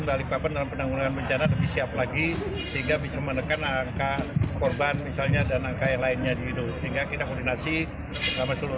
dan beberapa hal yang seperti itu jadi kita harus siap betul